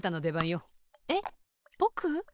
えっぼく？